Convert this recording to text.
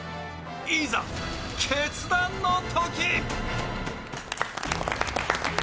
いざ、決断のとき！